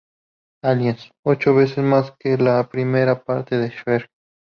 Aliens", ocho veces más que la primera parte de Shrek.